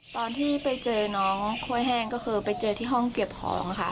ตอนที่ไปเจอน้องกล้วยแห้งก็คือไปเจอที่ห้องเก็บของค่ะ